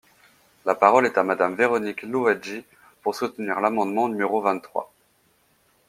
La parole est à Madame Véronique Louwagie, pour soutenir l’amendement numéro vingt-trois.